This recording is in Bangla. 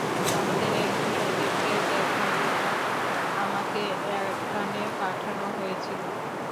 আমাদের একজন এজেন্টকে দেখার জন্য আমাকে এখানে পাঠানো হয়েছিল।